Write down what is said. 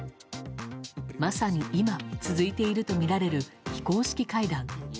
まさに今、続いているとみられる非公式会談。